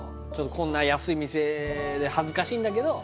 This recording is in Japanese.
「こんな安い店で恥ずかしいんだけど」